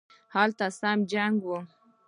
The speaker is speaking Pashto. هلته سم جنګ وو